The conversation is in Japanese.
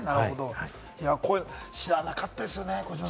知らなかったですよね、児嶋さん。